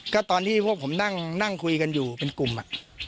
ก็ตอนที่พวกผมนั่งคุยกันอยู่เป็นกลุ่มอ่ะ